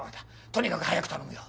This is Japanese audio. とにかく早く頼むよ。